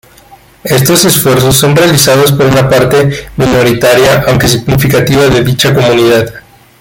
Estos esfuerzos son realizados por una parte minoritaria aunque significativa de dicha comunidad.